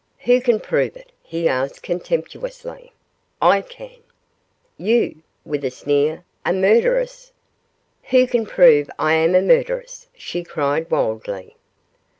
'Who can prove it?' he asked, contemptuously. 'I can!' 'You,' with a sneer, 'a murderess?' 'Who can prove I am a murderess?' she cried, wildly.